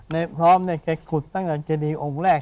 ในพร้อมเนี่ยก็กุฏตั้งแต่เกดีองแรก